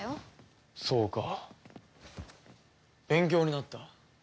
そうか勉強になった。